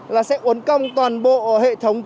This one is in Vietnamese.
là sẽ uấn công toàn bộ hệ thống đền bù